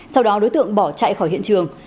sau đó đối tượng bỏ chạy khỏi hiện trường